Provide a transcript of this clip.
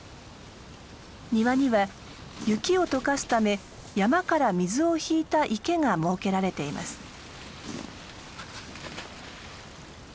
庭には雪を解かすため山から水を引いた池が設けられています。